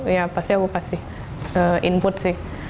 ya pasti aku kasih input sih